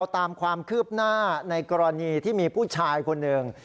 ตามความคืบหน้าในกรณีที่มีผู้ชายคนหนึ่ง